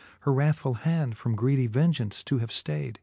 Her wrathful hand from greedy vengeance to have ftayd.